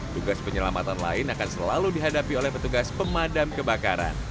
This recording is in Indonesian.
tugas penyelamatan lain akan selalu dihadapi oleh petugas pemadam kebakaran